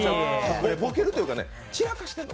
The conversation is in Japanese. ボケるというか、ちらかしてるの。